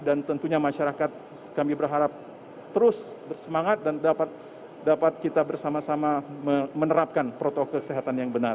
dan tentunya masyarakat kami berharap terus bersemangat dan dapat kita bersama sama menerapkan protokol kesehatan yang benar